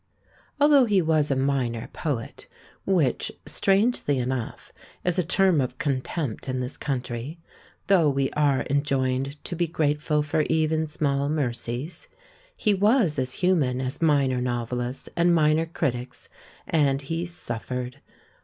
Although he was a minor poet, which — strangely enough — is a term of contempt in this country, though we are enjoined to be grateful for even small mercies, he was as human as minor novelists and minor critics, and he suffered.